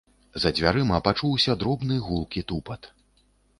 За дзвярыма пачуўся дробны гулкі тупат.